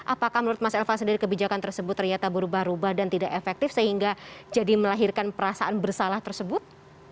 apakah menurut mas elvan sendiri kebijakan tersebut ternyata berubah ubah dan tidak efektif sehingga jadi melahirkan perasaan bersalah tersebut